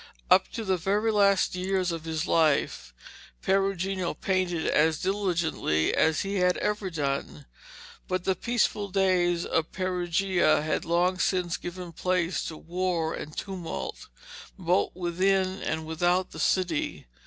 Up to the very last years of his life, Perugino painted as diligently as he had ever done, but the peaceful days of Perugia had long since given place to war and tumult, both within and without the city.